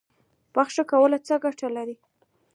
بخښنه کول څه ګټه لري؟